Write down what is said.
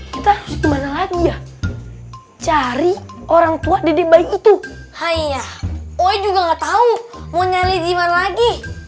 kita gimana lagi ya cari orang tua dede baik itu hai ya woi juga nggak tahu mau nyari gimana lagi